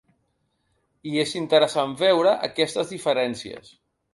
I és interessant veure aquestes diferències.